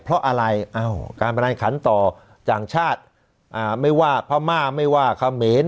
เพราะอะไรการพนันขันต่อต่างชาติไม่ว่าพม่าไม่ว่าเขมร